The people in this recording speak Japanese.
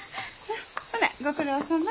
ほなご苦労さま。